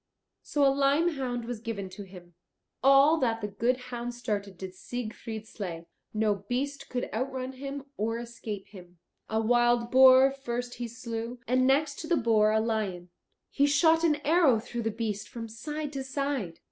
So a lime hound was given to him. All that the good hound started did Siegfried slay; no beast could outrun him or escape him. A wild boar first he slew, and next to the boar a lion; he shot an arrow through the beast from side to side.